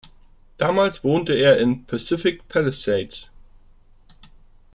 Damals wohnte er in Pacific Palisades.